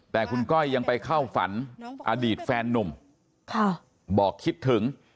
แต่คุณก้อยยังไปเข้าฝันอดีตแฟนนุ่มบอกคิดถึง